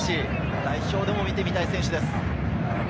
代表でも見てみたい選手です。